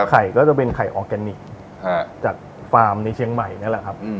ไข่ก็จะเป็นไข่ออร์แกนิคจากฟาร์มในเชียงใหม่นั่นแหละครับ